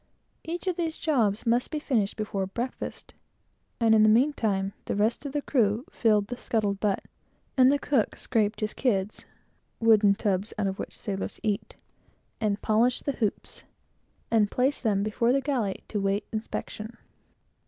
Each of these jobs must be finished before breakfast; and, in the meantime, the rest of the crew filled the scuttle butt, and the cook scraped his kids (wooden tubs out of which the sailors eat) and polished the hoops, and placed them before the galley, to await inspection.